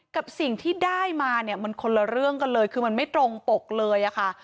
กับสิ่งที่ได้มาเนี่ยมันคนละเรื่องกันเลยคือมันไม่ตรงปกเลยอะค่ะ